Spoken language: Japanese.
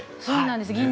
そうなんです。